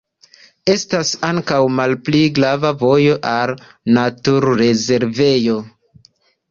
Estas ankaŭ malpli grava vojo al naturrezervejo.